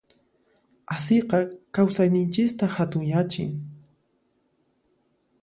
Asiyqa kawsayninchista hunt'achin.